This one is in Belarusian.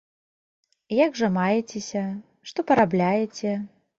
Як жа маецеся, што парабляеце?